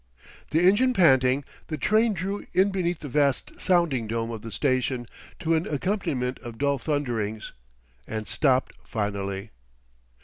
The engine panting, the train drew in beneath the vast sounding dome of the station, to an accompaniment of dull thunderings; and stopped finally.